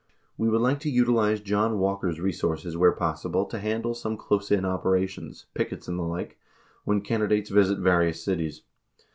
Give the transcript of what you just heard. We would like to utilize Eon Walker's re sources where possible to handle some close in operations, pickets and the like, when candidates visit various cities.